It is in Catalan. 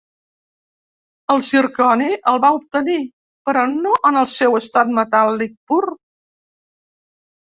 El zirconi el va obtenir però no en el seu estat metàl·lic pur.